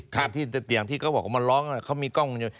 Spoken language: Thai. อย่างที่เขาบอกว่ามันล้องเขามีกล้องมันอยู่